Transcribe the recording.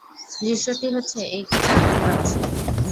দৃশ্যটি হচ্ছে, এই ক্ষেতে আগুন লাগছে।